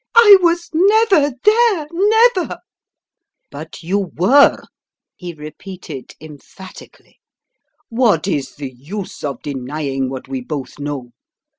" I was never there ! Never !" "But you were!" he repeated, emphatically. "What is the use of denying what we both know?